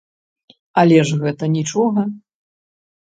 Але ж гэта нічога.